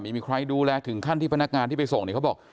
ไม่มีใครดูแลถึงขั้นที่พนักงานที่ไปส่งเนี่ยเขาบอก